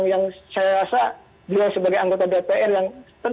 yang saya rasa dia sebagai anggota dpr yang tentu punya komitmen